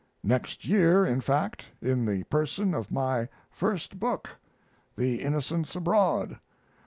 Next year, in fact, in the person of my first book, 'The Innocents Abroad'.